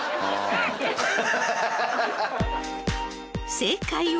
［正解は］